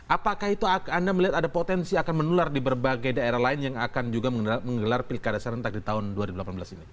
apakah itu anda melihat ada potensi akan menular di berbagai daerah lain yang akan juga menggelar pilkada serentak di tahun dua ribu delapan belas ini